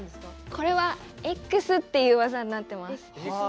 これはエックスっていう技になってます。